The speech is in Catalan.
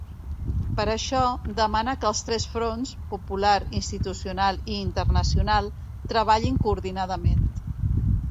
Per això, demana que els tres fronts –popular, institucional i internacional– treballin coordinadament.